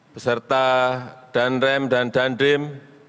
beserta danrem dan dandim